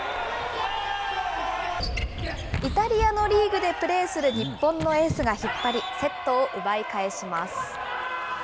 イタリアのリーグでプレーする日本のエースが引っ張り、セットを奪い返します。